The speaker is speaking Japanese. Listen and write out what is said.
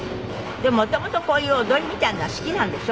で元々こういう踊りみたいなのは好きなんでしょ？